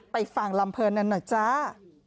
ไปฟังลำเพลินนั้นหน่อยจ้า